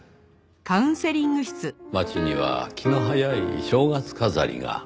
街には気の早い正月飾りが。